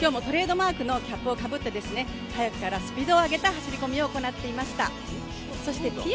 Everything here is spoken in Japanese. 今日もトレードマークのキャップをかぶって早くからスピードを上げた走り込みを行っていました。